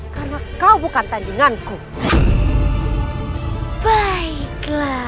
karena kau bukan tandinganku baiklah